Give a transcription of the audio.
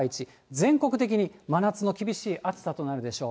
全国的に真夏の厳しい暑さとなるでしょう。